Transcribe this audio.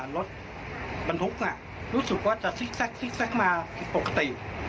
รถมันทุกข์น่ะรู้สึกว่าจะซิกมาปกติ